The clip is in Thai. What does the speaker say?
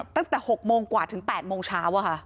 ตั้งแต่หกโมงกว่าถึงแปดโมงเช้าอะค่ะ